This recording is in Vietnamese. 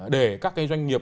để các cái doanh nghiệp